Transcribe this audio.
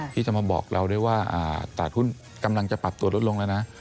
ที่จะมาบอกเราด้วยว่าตลาดหุ้นกำลังจะปรับตัวลดลงแล้วนะ